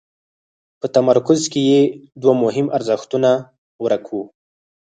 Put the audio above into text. په تمرکز کې یې دوه مهم ارزښتونه ورک وو.